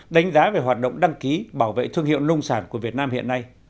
đánh giá về hoạt động đăng ký bảo vệ thương hiệu nông sản của việt nam hiện nay